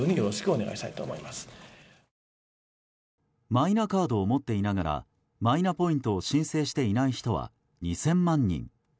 マイナカードを持っていながらマイナポイントを申請していない人は２０００万人。